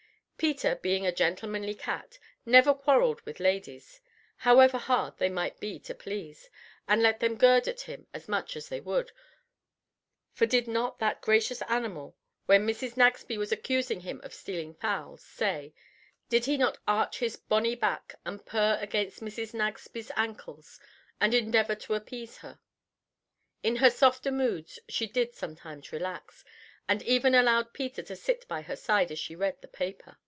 Peter, being a gentlemanly cat, never quarrelled with ladies, however hard they might be to please, and let them gird at him as they would. For did not that gracious animal, when Mrs. Nagsby was accusing him of stealing fowls, say did he not arch his bonny back and purr against Mrs. Nagsby's ankles and endeavor to appease her? In her softer moods she did sometimes relax, and even allowed Peter to sit by her side as she read the paper.